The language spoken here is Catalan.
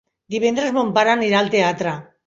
Divendres mon pare anirà al teatre.